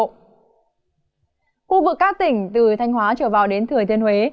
khu vực các tỉnh từ thanh hóa trở vào đến thừa thiên huế